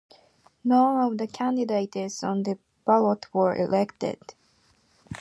None of the candidates on the ballot were elected.